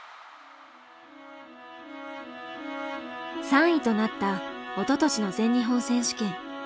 ３位となったおととしの全日本選手権。